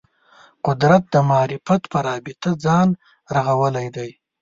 قدرت د معرفت په رابطه ځان رغولی دی